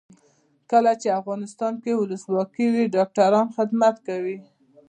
کله چې افغانستان کې ولسواکي وي ډاکټران خدمت کوي.